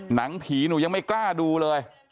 หนังผีหนูยังไม่กล้าดูเลย